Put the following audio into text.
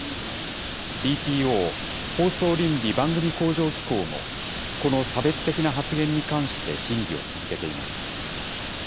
ＢＰＯ・放送倫理・番組向上機構も、この差別的な発言に関して審議を続けています。